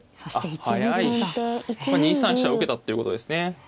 ２三飛車受けたっていうことですね。